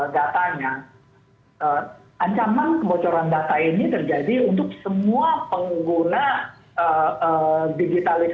kalau kita lihat dari datanya ancaman kebocoran data ini terjadi untuk semua pengguna digitalisasi